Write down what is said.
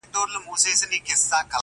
ځيني يې هنر بولي لوړ,